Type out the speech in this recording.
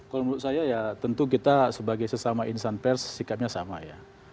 kalau menurut saya ya tentu kita sebagai sesama insan pers sikapnya sama ya